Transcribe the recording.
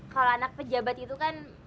kalau anak pejabat itu kan